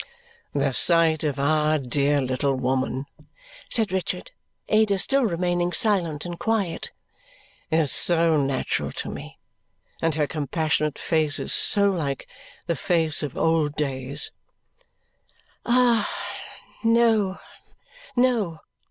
"The sight of our dear little woman," said Richard, Ada still remaining silent and quiet, "is so natural to me, and her compassionate face is so like the face of old days " Ah! No, no.